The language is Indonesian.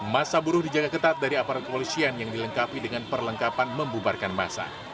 masa buruh dijaga ketat dari aparat kepolisian yang dilengkapi dengan perlengkapan membubarkan masa